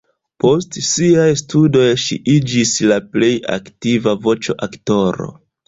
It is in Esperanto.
Post siaj studoj ŝi iĝis la plej aktiva voĉoaktoro.